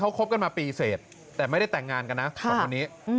เขาคบกันมาปีเสร็จแต่ไม่ได้แต่งงานกันนะสองคนนี้